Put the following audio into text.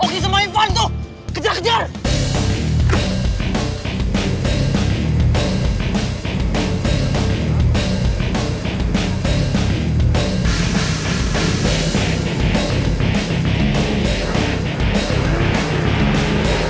dia sudah selesai menang